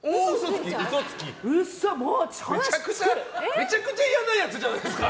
めちゃくちゃ嫌なやつじゃないですか！